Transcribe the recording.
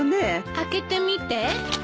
開けてみて。